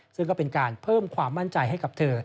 ซึ่งก็เป็นการเพิ่มความมั่นใจให้กับเธอ